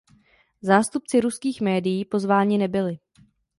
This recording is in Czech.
Zástupci ruských médií pozváni nebyli.